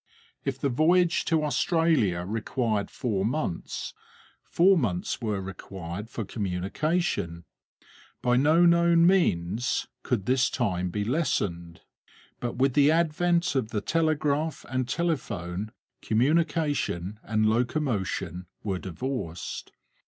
If the voyage to Australia required four months, four months were required for communication; by no known means could this time be lessened. But with the advent of the telegraph and telephone, communication and locomotion were divorced.